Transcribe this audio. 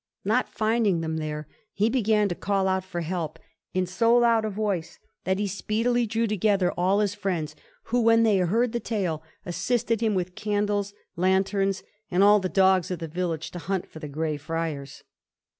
Not finding them there, he began to call out for help in so loud a voice that he speedily drew together all his friends, who, when they had heard the tale, assisted him with candles, lanterns, and all the dogs of the village to hunt for the Grey Friars.